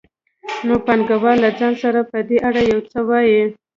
نو پانګوال له ځان سره په دې اړه یو څه وايي